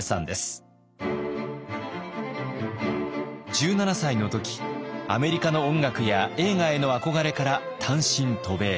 １７歳の時アメリカの音楽や映画への憧れから単身渡米。